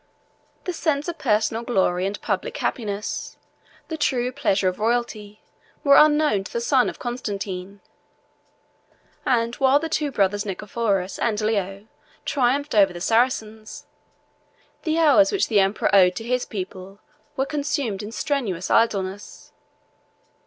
The sense of personal glory and public happiness, the true pleasures of royalty, were unknown to the son of Constantine; and, while the two brothers, Nicephorus and Leo, triumphed over the Saracens, the hours which the emperor owed to his people were consumed in strenuous idleness.